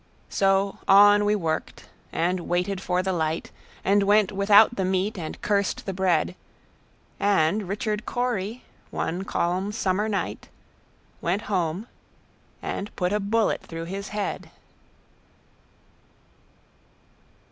So on we worked, and waited for the light, And went without the meat, and cursed the bread; And Richard Cory, one calm summer night, Went home and put a bullet through his head.